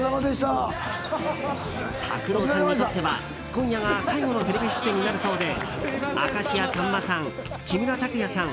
拓郎さんにとっては、今夜が最後のテレビ出演になるそうで明石家さんまさん、木村拓哉さん